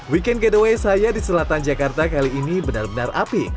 weekend getaway saya di selatan jakarta kali ini benar benar api